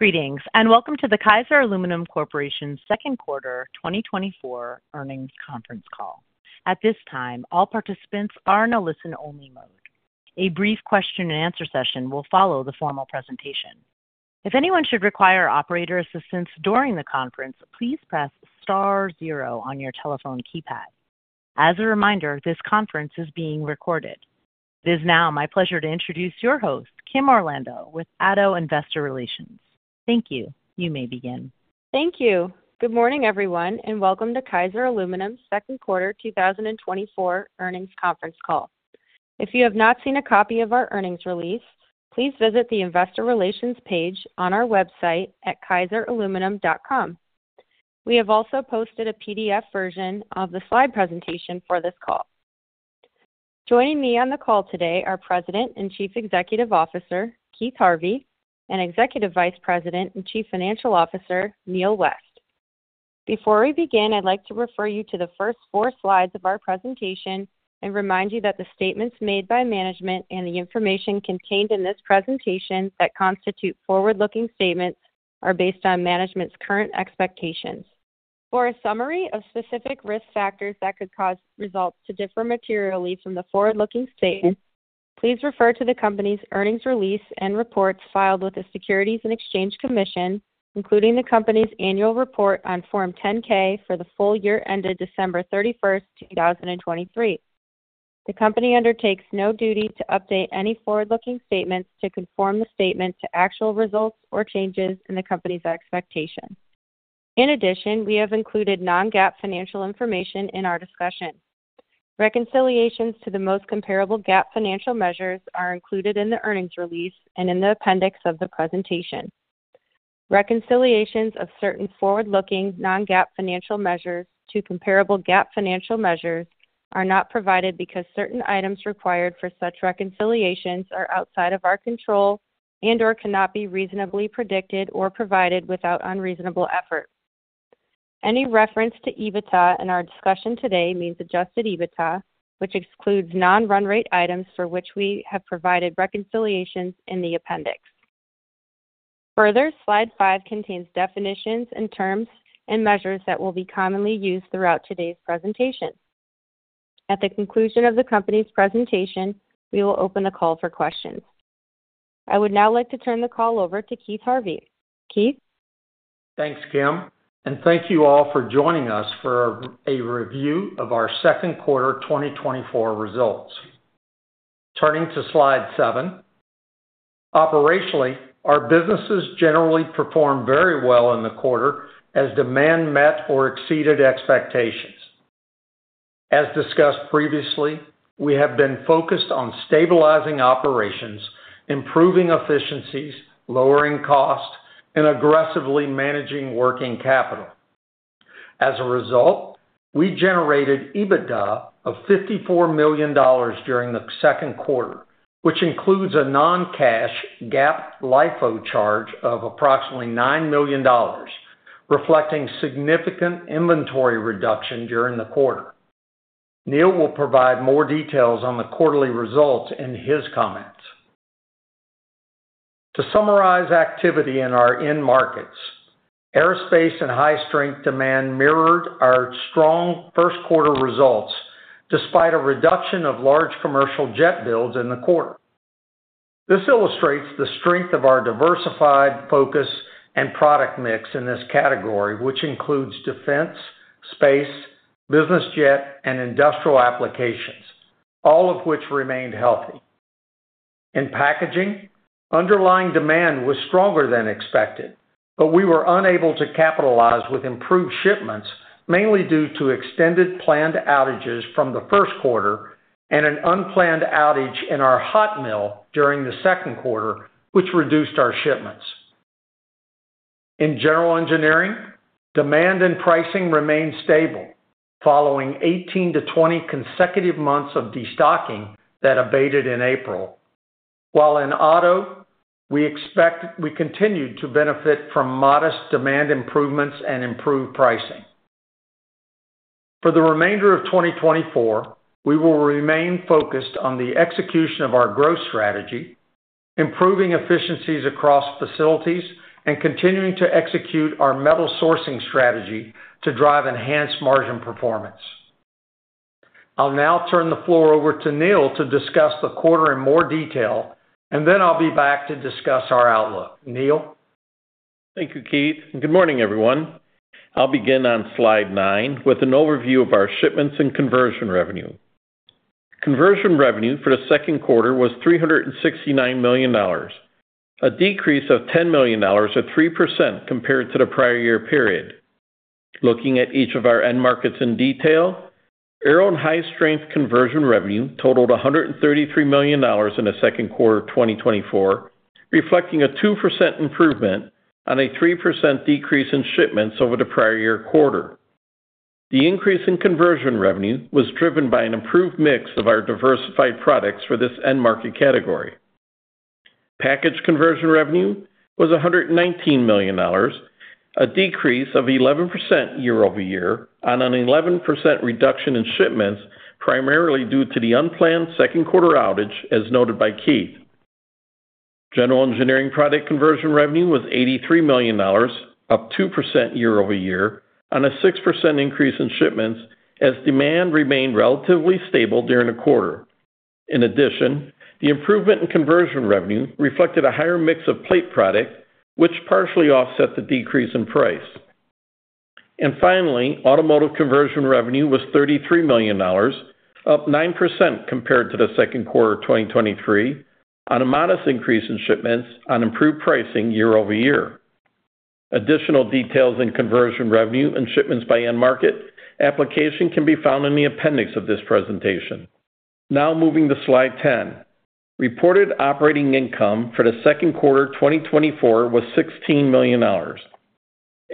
Greetings, and welcome to the Kaiser Aluminum Corporation's Q2 2024 earnings conference call. At this time, all participants are in a listen-only mode. A brief question-and-answer session will follow the formal presentation. If anyone should require operator assistance during the conference, please press star zero on your telephone keypad. As a reminder, this conference is being recorded. It is now my pleasure to introduce your host, Kim Orlando, with Addo Investor Relations. Thank you. You may begin. Thank you. Good morning, everyone, and welcome to Kaiser Aluminum's Q2 2024 earnings conference call. If you have not seen a copy of our earnings release, please visit the investor relations page on our website at kaiseraluminum.com. We have also posted a PDF version of the slide presentation for this call. Joining me on the call today are President and Chief Executive Officer, Keith Harvey, and Executive Vice President and Chief Financial Officer, Neal West. Before we begin, I'd like to refer you to the first four slides of our presentation and remind you that the statements made by management and the information contained in this presentation that constitute forward-looking statements are based on management's current expectations. For a summary of specific risk factors that could cause results to differ materially from the forward-looking statements, please refer to the company's earnings release and reports filed with the Securities and Exchange Commission, including the company's annual report on Form 10-K for the full year ended December 31, 2023. The company undertakes no duty to update any forward-looking statements to conform the statement to actual results or changes in the company's expectations. In addition, we have included non-GAAP financial information in our discussion. Reconciliations to the most comparable GAAP financial measures are included in the earnings release and in the appendix of the presentation. Reconciliations of certain forward-looking non-GAAP financial measures to comparable GAAP financial measures are not provided because certain items required for such reconciliations are outside of our control and/or cannot be reasonably predicted or provided without unreasonable effort. Any reference to EBITDA in our discussion today means adjusted EBITDA, which excludes non-run rate items for which we have provided reconciliations in the appendix. Further, slide five contains definitions and terms and measures that will be commonly used throughout today's presentation. At the conclusion of the company's presentation, we will open the call for questions. I would now like to turn the call over to Keith Harvey. Keith? Thanks, Kim, and thank you all for joining us for a review of our Q2 2024 results. Turning to slide seven. Operationally, our businesses generally performed very well in the quarter as demand met or exceeded expectations. As discussed previously, we have been focused on stabilizing operations, improving efficiencies, lowering costs, and aggressively managing working capital. As a result, we generated EBITDA of $54 million during the Q2, which includes a non-cash GAAP LIFO charge of approximately $9 million, reflecting significant inventory reduction during the quarter. Neal will provide more details on the quarterly results in his comments. To summarize activity in our end markets, aerospace and high-strength demand mirrored our strong Q1 results, despite a reduction of large commercial jet builds in the quarter. This illustrates the strength of our diversified focus and product mix in this category, which includes defense, space, business jet, and industrial applications, all of which remained healthy. In packaging, underlying demand was stronger than expected, but we were unable to capitalize with improved shipments, mainly due to extended planned outages from the Q1 and an unplanned outage in our hot mill during the Q2, which reduced our shipments. In general engineering, demand and pricing remained stable, following 18-20 consecutive months of destocking that abated in April. While in auto, we continued to benefit from modest demand improvements and improved pricing. For the remainder of 2024, we will remain focused on the execution of our growth strategy, improving efficiencies across facilities, and continuing to execute our metal sourcing strategy to drive enhanced margin performance. I'll now turn the floor over to Neal to discuss the quarter in more detail, and then I'll be back to discuss our outlook. Neal? Thank you, Keith, and good morning, everyone. I'll begin on slide nine with an overview of our shipments and conversion revenue. Conversion revenue for the Q2 was $369 million, a decrease of $10 million, or 3% compared to the prior year period. Looking at each of our end markets in detail, aero and high-strength conversion revenue totaled $133 million in the Q2 of 2024, reflecting a 2% improvement on a 3% decrease in shipments over the prior year quarter. The increase in conversion revenue was driven by an improved mix of our diversified products for this end market category. Package conversion revenue was $119 million, a decrease of 11% year-over-year on an 11% reduction in shipments, primarily due to the unplanned Q2 outage, as noted by Keith. General engineering product conversion revenue was $83 million, up 2% year-over-year, on a 6% increase in shipments as demand remained relatively stable during the quarter. In addition, the improvement in conversion revenue reflected a higher mix of plate product, which partially offset the decrease in price. And finally, automotive conversion revenue was $33 million, up 9% compared to the Q2 of 2023, on a modest increase in shipments on improved pricing year-over-year. Additional details in conversion revenue and shipments by end market application can be found in the appendix of this presentation. Now moving to slide 10. Reported operating income for the Q2 of 2024 was $16 million.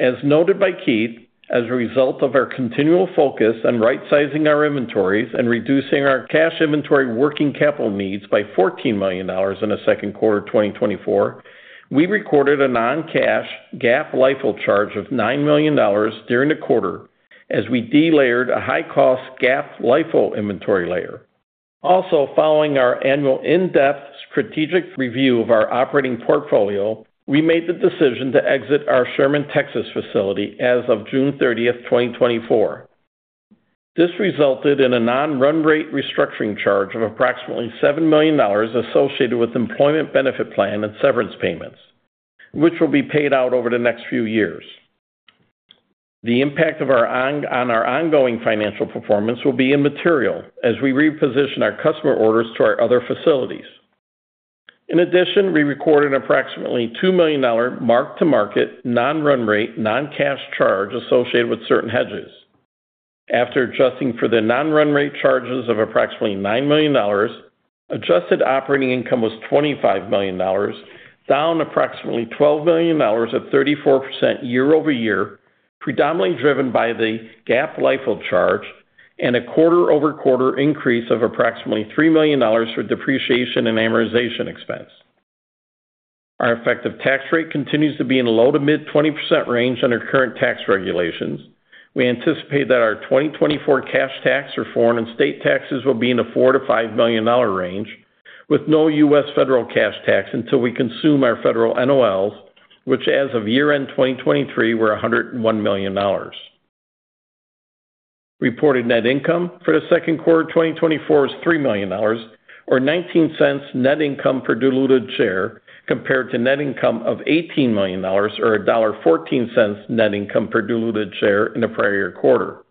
As noted by Keith, as a result of our continual focus on rightsizing our inventories and reducing our cash inventory working capital needs by $14 million in the Q2 of 2024, we recorded a non-cash GAAP LIFO charge of $9 million during the quarter as we delayered a high-cost GAAP LIFO inventory layer. Also, following our annual in-depth strategic review of our operating portfolio, we made the decision to exit our Sherman, Texas, facility as of June 30th, 2024. This resulted in a non-run rate restructuring charge of approximately $7 million associated with employment benefit plan and severance payments, which will be paid out over the next few years. The impact of our ongoing financial performance will be immaterial as we reposition our customer orders to our other facilities. In addition, we recorded approximately $2 million mark-to-market, non-run rate, non-cash charge associated with certain hedges. After adjusting for the non-run rate charges of approximately $9 million, adjusted operating income was $25 million, down approximately $12 million or 34% year-over-year, predominantly driven by the GAAP LIFO charge and a quarter-over-quarter increase of approximately $3 million for depreciation and amortization expense. Our effective tax rate continues to be in the low- to mid-20% range under current tax regulations. We anticipate that our 2024 cash tax federal and state taxes will be in the $4 million-$5 million range, with no U.S. federal cash tax until we consume our federal NOLs, which as of year-end 2023, were $101 million. Reported net income for the Q2 of 2024 is $3 million, or $0.19 net income per diluted share, compared to net income of $18 million, or $1.14 net income per diluted share in the prior quarter.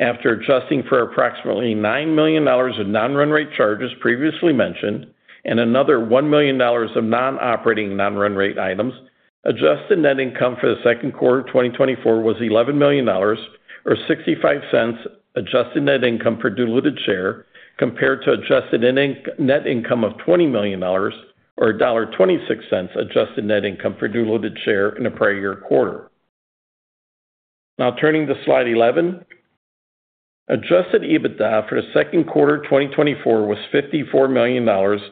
After adjusting for approximately $9 million of non-run rate charges previously mentioned, and another $1 million of non-operating, non-run rate items, adjusted net income for the Q2 of 2024 was $11 million, or $0.65 adjusted net income per diluted share, compared to adjusted net income of $20 million, or $1.26 adjusted net income per diluted share in the prior year quarter. Now turning to slide 11. Adjusted EBITDA for the Q2 of 2024 was $54 million,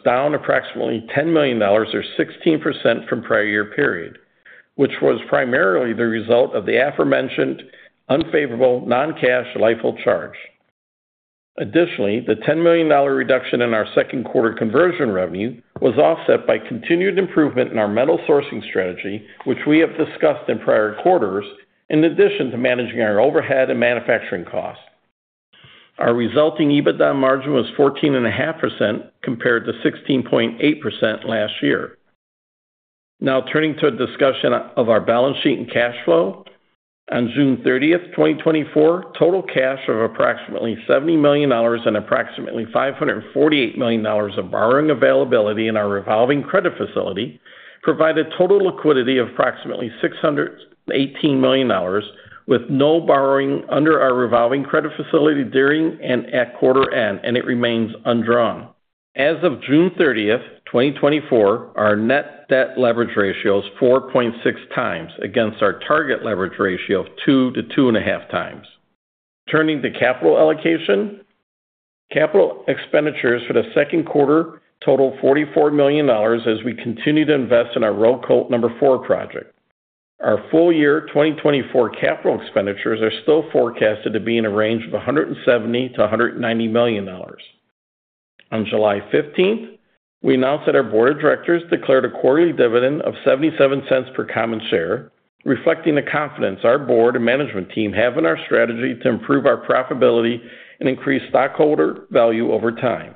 down approximately $10 million or 16% from prior year period, which was primarily the result of the aforementioned unfavorable non-cash LIFO charge. Additionally, the $10 million reduction in our Q2 conversion revenue was offset by continued improvement in our metal sourcing strategy, which we have discussed in prior quarters, in addition to managing our overhead and manufacturing costs. Our resulting EBITDA margin was 14.5%, compared to 16.8% last year. Now turning to a discussion of our balance sheet and cash flow. On June 30, 2024, total cash of approximately $70 million and approximately $548 million of borrowing availability in our revolving credit facility provided total liquidity of approximately $618 million, with no borrowing under our revolving credit facility during and at quarter-end, and it remains undrawn. As of June 30, 2024, our net debt leverage ratio is 4.6 times against our target leverage ratio of 2 to 2.5 times. Turning to capital allocation. Capital expenditures for the Q2 total $44 million as we continue to invest in our Roll Coater No. 4 project. Our full-year 2024 capital expenditures are still forecasted to be in a range of $170 million-$190 million. On July fifteenth, we announced that our board of directors declared a quarterly dividend of $0.77 per common share, reflecting the confidence our board and management team have in our strategy to improve our profitability and increase stockholder value over time.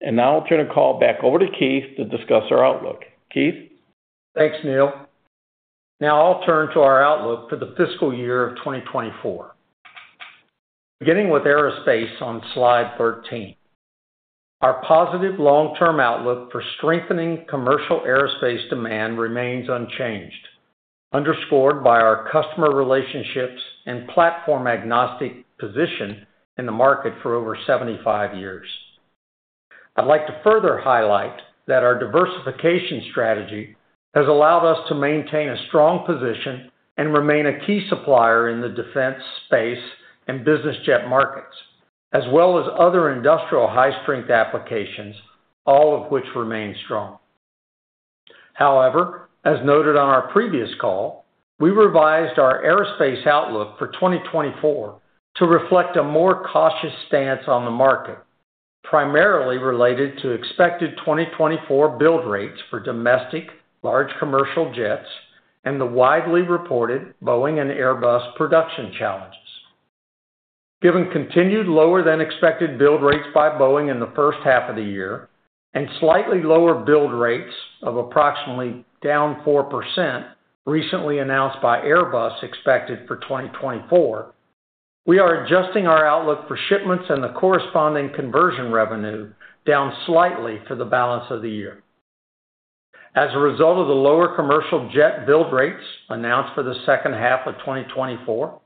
And now I'll turn the call back over to Keith to discuss our outlook. Keith? Thanks, Neal. Now I'll turn to our outlook for the fiscal year of 2024. Beginning with aerospace on slide 13. Our positive long-term outlook for strengthening commercial aerospace demand remains unchanged, underscored by our customer relationships and platform-agnostic position in the market for over 75 years. I'd like to further highlight that our diversification strategy has allowed us to maintain a strong position and remain a key supplier in the defense, space, and business jet markets.... as well as other industrial high-strength applications, all of which remain strong. However, as noted on our previous call, we revised our aerospace outlook for 2024 to reflect a more cautious stance on the market, primarily related to expected 2024 build rates for domestic large commercial jets and the widely reported Boeing and Airbus production challenges. Given continued lower-than-expected build rates by Boeing in the first half of the year, and slightly lower build rates of approximately down 4% recently announced by Airbus expected for 2024, we are adjusting our outlook for shipments and the corresponding conversion revenue down slightly for the balance of the year. As a result of the lower commercial jet build rates announced for the second half of 2024,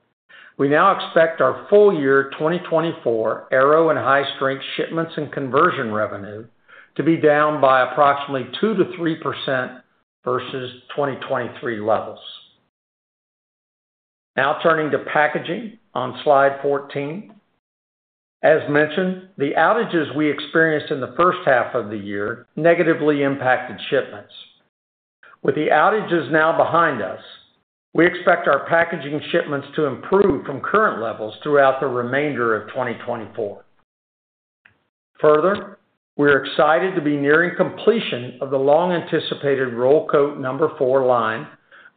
we now expect our full year 2024 aero and high-strength shipments and conversion revenue to be down by approximately 2%-3% versus 2023 levels. Now turning to packaging on slide 14. As mentioned, the outages we experienced in the first half of the year negatively impacted shipments. With the outages now behind us, we expect our packaging shipments to improve from current levels throughout the remainder of 2024. Further, we're excited to be nearing completion of the long-anticipated Roll Coat No. 4 line,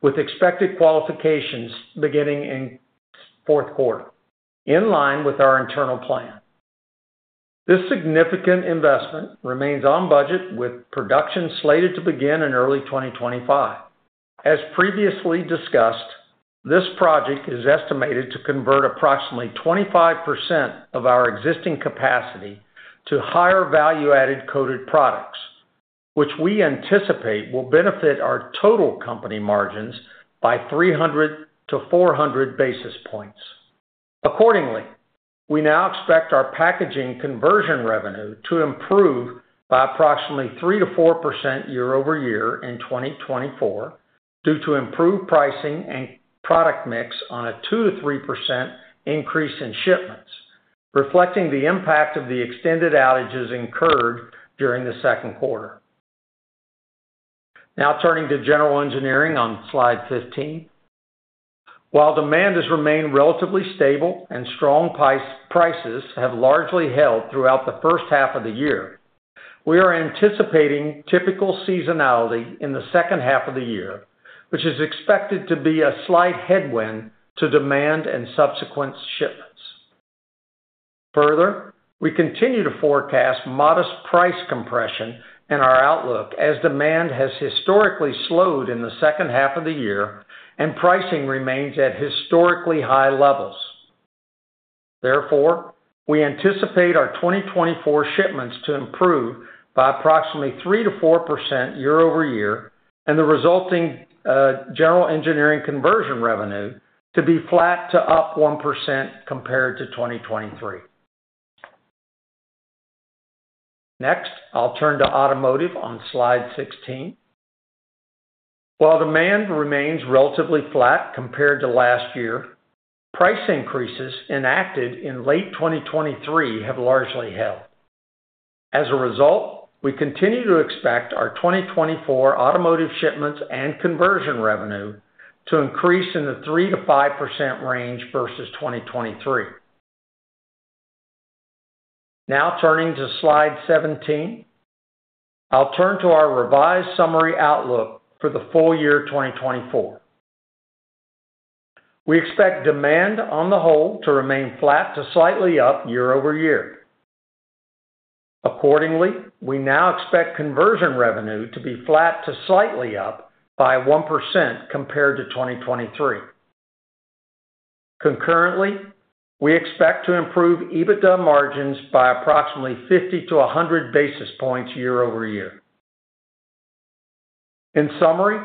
with expected qualifications beginning in Q4, in line with our internal plan. This significant investment remains on budget, with production slated to begin in early 2025. As previously discussed, this project is estimated to convert approximately 25% of our existing capacity to higher value-added coated products, which we anticipate will benefit our total company margins by 300-400 basis points. Accordingly, we now expect our packaging conversion revenue to improve by approximately 3%-4% year-over-year in 2024, due to improved pricing and product mix on a 2%-3% increase in shipments, reflecting the impact of the extended outages incurred during the Q2. Now turning to general engineering on slide 15. While demand has remained relatively stable and strong prices have largely held throughout the first half of the year, we are anticipating typical seasonality in the second half of the year, which is expected to be a slight headwind to demand and subsequent shipments. Further, we continue to forecast modest price compression in our outlook as demand has historically slowed in the second half of the year, and pricing remains at historically high levels. Therefore, we anticipate our 2024 shipments to improve by approximately 3%-4% year-over-year, and the resulting general engineering conversion revenue to be flat to up 1% compared to 2023. Next, I'll turn to automotive on slide 16. While demand remains relatively flat compared to last year, price increases enacted in late 2023 have largely held. As a result, we continue to expect our 2024 automotive shipments and conversion revenue to increase in the 3%-5% range versus 2023. Now turning to slide 17. I'll turn to our revised summary outlook for the full year 2024. We expect demand on the whole to remain flat to slightly up year-over-year. Accordingly, we now expect conversion revenue to be flat to slightly up by 1% compared to 2023. Concurrently, we expect to improve EBITDA margins by approximately 50-100 basis points year-over-year. In summary,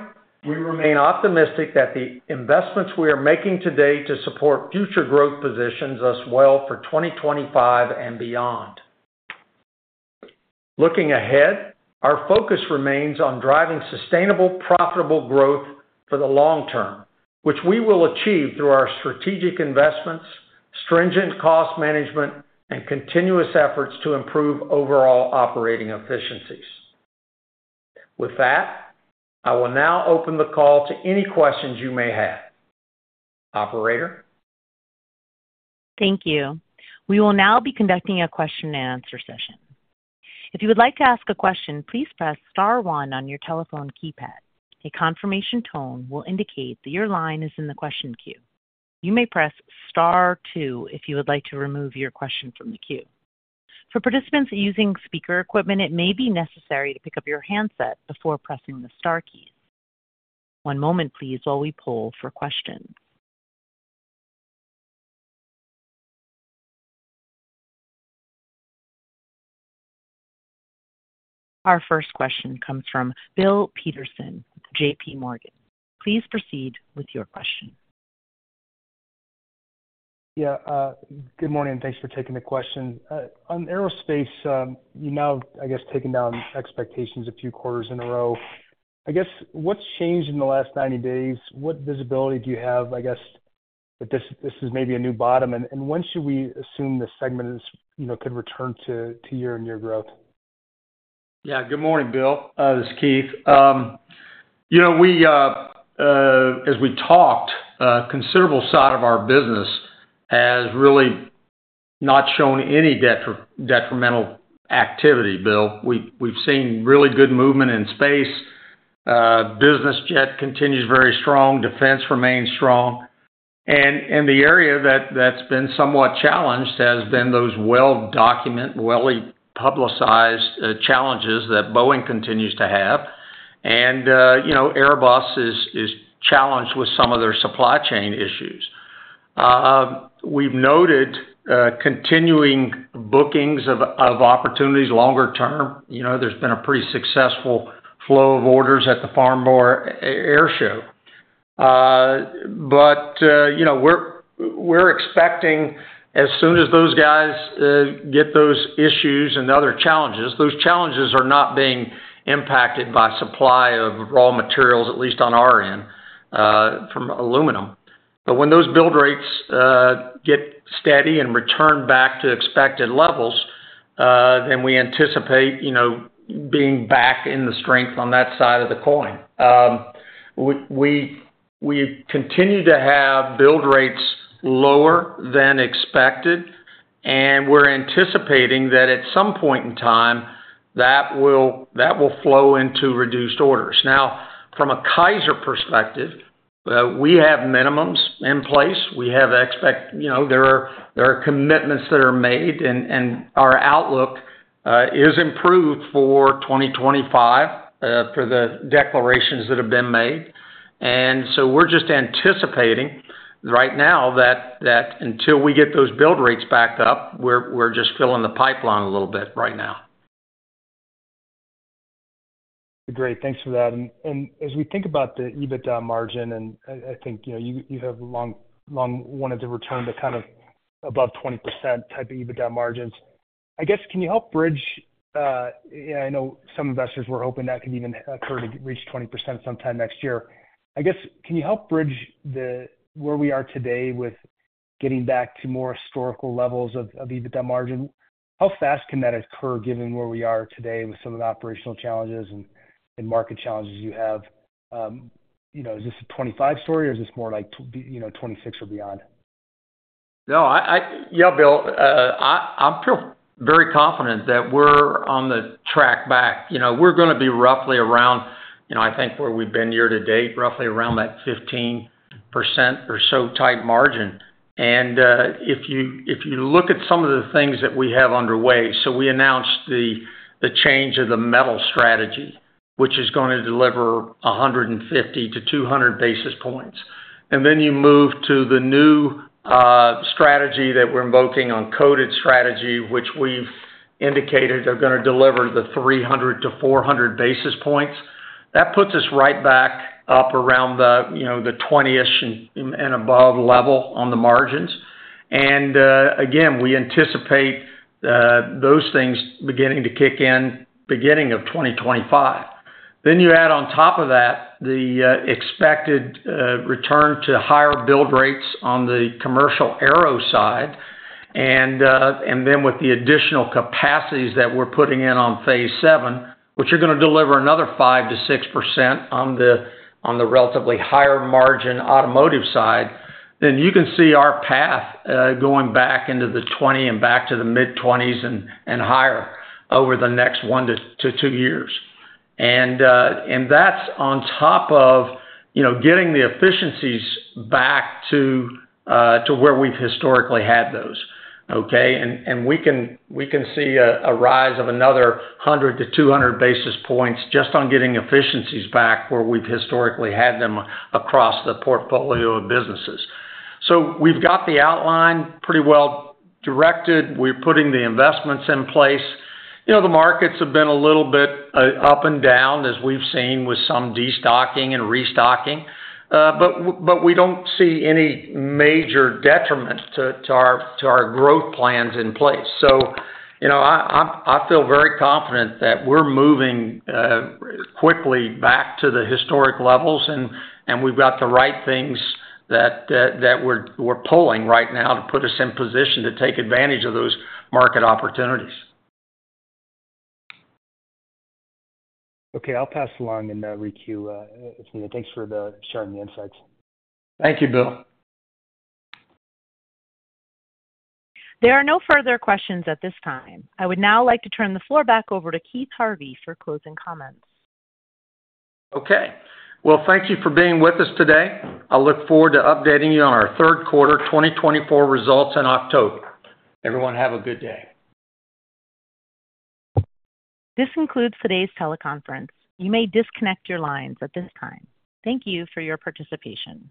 we remain optimistic that the investments we are making today to support future growth positions us well for 2025 and beyond. Looking ahead, our focus remains on driving sustainable, profitable growth for the long term, which we will achieve through our strategic investments, stringent cost management, and continuous efforts to improve overall operating efficiencies. With that, I will now open the call to any questions you may have. Operator? Thank you. We will now be conducting a question-and-answer session. If you would like to ask a question, please press star one on your telephone keypad. A confirmation tone will indicate that your line is in the question queue. You may press star two if you would like to remove your question from the queue. For participants using speaker equipment, it may be necessary to pick up your handset before pressing the star key. One moment please while we poll for questions. Our first question comes from Bill Peterson, JPMorgan. Please proceed with your question. Yeah, good morning, and thanks for taking the question. On aerospace, you know, I guess, taken down expectations a few quarters in a row. I guess, what's changed in the last 90 days? What visibility do you have? I guess, that this, this is maybe a new bottom, and, and when should we assume the segment is, you know, could return to, to year-over-year growth? Yeah. Good morning, Bill. This is Keith. You know, we, as we talked, considerable side of our business has really not shown any detrimental activity, Bill. We've seen really good movement in space. Business jet continues very strong, defense remains strong, and the area that's been somewhat challenged has been those well-documented, well-publicized challenges that Boeing continues to have. And, you know, Airbus is challenged with some of their supply chain issues. We've noted continuing bookings of opportunities longer term. You know, there's been a pretty successful flow of orders at the Farnborough Air Show. But, you know, we're expecting, as soon as those guys get those issues and other challenges, those challenges are not being impacted by supply of raw materials, at least on our end, from aluminum. But when those build rates get steady and return back to expected levels, then we anticipate, you know, being back in the strength on that side of the coin. We continue to have build rates lower than expected, and we're anticipating that at some point in time, that will flow into reduced orders. Now, from a Kaiser perspective, we have minimums in place. We have expect... You know, there are commitments that are made, and our outlook is improved for 2025, per the declarations that have been made. So we're just anticipating, right now, that until we get those build rates back up, we're just filling the pipeline a little bit right now. Great. Thanks for that. As we think about the EBITDA margin, and I, I think, you know, you have long wanted to return to kind of above 20% type of EBITDA margins. I guess, can you help bridge, I know some investors were hoping that could even occur to reach 20% sometime next year. I guess, can you help bridge the where we are today with getting back to more historical levels of EBITDA margin? How fast can that occur, given where we are today with some of the operational challenges and market challenges you have? You know, is this a 25 story, or is this more like, you know, 26 or beyond? No, yeah, Bill, I feel very confident that we're on the track back. You know, we're gonna be roughly around, you know, I think, where we've been year to date, roughly around that 15% or so tight margin. And, if you look at some of the things that we have underway, so we announced the change of the metal strategy, which is gonna deliver 150-200 basis points. And then you move to the new strategy that we're invoking on coated strategy, which we've indicated are gonna deliver the 300-400 basis points. That puts us right back up around the, you know, the 20-ish and above level on the margins. And, again, we anticipate those things beginning to kick in beginning of 2025. Then you add on top of that, the expected return to higher build rates on the commercial aero side, and then with the additional capacities that we're putting in on phase VII, which are gonna deliver another 5%-6% on the relatively higher margin automotive side, then you can see our path going back into the 20 and back to the mid-20s and higher over the next 1-2 years. And that's on top of, you know, getting the efficiencies back to where we've historically had those, okay? And we can see a rise of another 100-200 basis points just on getting efficiencies back where we've historically had them across the portfolio of businesses. So we've got the outline pretty well directed. We're putting the investments in place. You know, the markets have been a little bit up and down, as we've seen with some destocking and restocking, but we don't see any major detriment to our growth plans in place. So, you know, I feel very confident that we're moving quickly back to the historic levels, and we've got the right things that we're pulling right now to put us in position to take advantage of those market opportunities. Okay, I'll pass along and re-queue. Thanks for sharing the insights. Thank you, Bill. There are no further questions at this time. I would now like to turn the floor back over to Keith Harvey for closing comments. Okay. Well, thank you for being with us today. I look forward to updating you on our Q3 2024 results in October. Everyone, have a good day. This concludes today's teleconference. You may disconnect your lines at this time. Thank you for your participation.